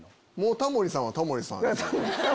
タモリさんはタモリさん。